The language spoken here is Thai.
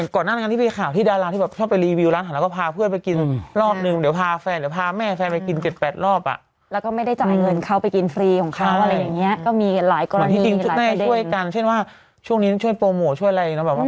ก็มีหลายกรณี